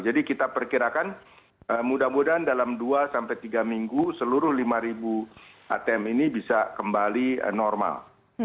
jadi kita perkirakan mudah mudahan dalam dua sampai tiga minggu seluruh lima atm ini bisa kembali normal